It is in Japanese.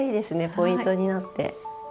ポイントになって。